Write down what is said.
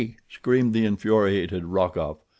_" screamed the infuriated Rokoff.